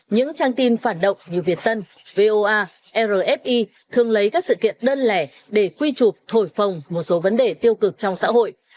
những trang tin phản động như việt tân voa rfi thường lấy các sự kiện đơn lẻ để quy chụp thổi phồng một số vấn đề tiêu cực trong xã hội